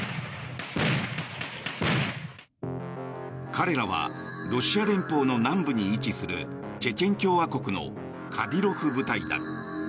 彼らはロシア連邦の南部に位置するチェチェン共和国のカディロフ部隊だ。